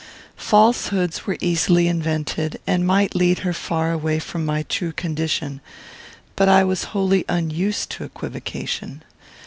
Falsehoods were easily invented, and might lead her far away from my true condition; but I was wholly unused to equivocation.